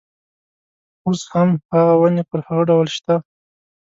اوس هم هغه ونې پر هغه ډول شته.